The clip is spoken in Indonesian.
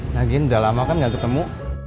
najin udah lama kan gak ketemu